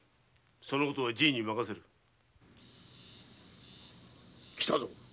そのことはじぃに任せる。来たぞ。